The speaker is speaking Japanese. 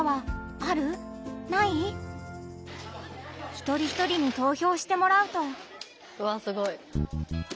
一人一人に投票してもらうと。わすごい。